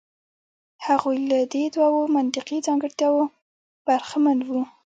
هغوی له دې دوو منطقي ځانګړتیاوو برخمن وو.